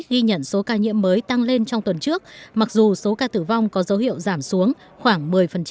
ghi nhận số ca nhiễm mới tăng lên trong tuần trước mặc dù số ca tử vong có dấu hiệu giảm xuống khoảng một mươi